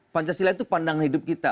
pancasila itu pandang hidup kita